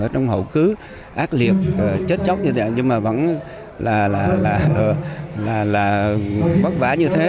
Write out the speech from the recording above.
ở trong hậu cứu ác liệt chết chóc như thế nhưng mà vẫn là bất vả như thế